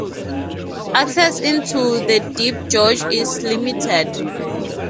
Access into the deep gorge is limited.